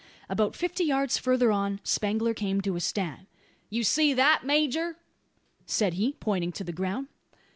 About fifty yards further on, Spangler came to a stand. "You see that, major?" said he, pointing to the ground.